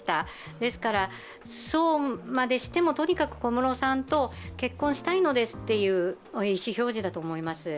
ですからそうまでしてもとにかく小室さんと結婚したいのですという意思表示だと思います。